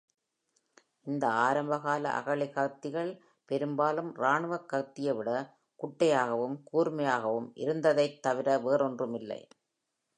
இந்த ஆரம்பகால "அகழி கத்திகள்" பெரும்பாலும் ராணுவக் கத்தியை விட குட்டையாகவும், கூர்மையாகவும் இருந்தததைத் தவிர வேறொன்றுமில்லை.